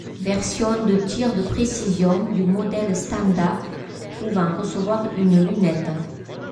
Version de tir de précision du modèle standard pouvant recevoir une lunette.